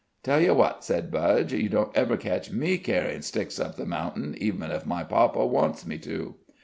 "Tell you what," said Budge, "you don't ever catch me carryin' sticks up the mountain, even if my papa wants me to."